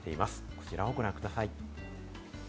こちらをご覧ください。